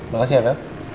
makasih ya bel